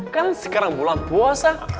kan sekarang bulan puasa